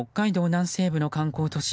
南西部の観光都市